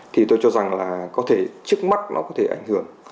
thì tôi cho rằng là có thể trước mắt nó có thể ảnh hưởng